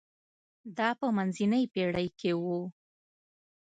دا په منځنۍ پېړۍ کې و.